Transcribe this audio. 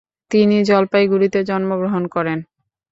তিনি জলপাইগুড়িতে জন্মগ্রহণ করেন।